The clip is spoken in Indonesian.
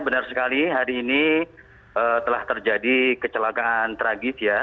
benar sekali hari ini telah terjadi kecelakaan tragis ya